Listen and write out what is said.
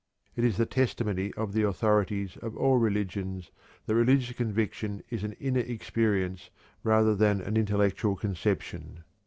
It is the testimony of the authorities of all religions that religious conviction is an inner experience rather than an intellectual conception.